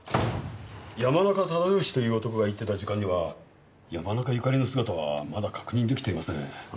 山中唯義という男が言ってた時間には山中由佳里の姿はまだ確認出来ていません。